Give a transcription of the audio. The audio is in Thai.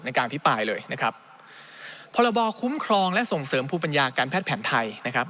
การอภิปรายเลยนะครับพรบคุ้มครองและส่งเสริมภูมิปัญญาการแพทย์แผนไทยนะครับ